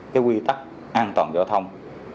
cái quy tắc an toàn giao thông